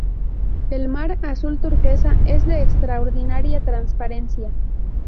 El mar, azul turquesa es de extraordinaria transparencia.